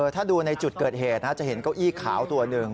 ถ้าดูในจุดเกิดเหตุจะเห็นเก้าอี้ขาวตัวหนึ่ง